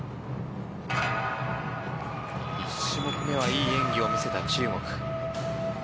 １種目めはいい演技を見せた中国。